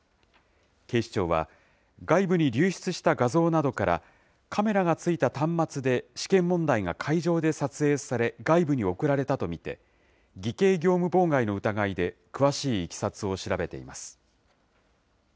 警視庁は、外部に流出した画像などから、カメラが付いた端末で、試験問題が会場で撮影され、外部に送られたと見て、偽計業務妨害の疑いで、詳しいいきさつを調べています。